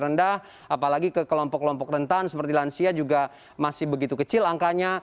rendah apalagi ke kelompok kelompok rentan seperti lansia juga masih begitu kecil angkanya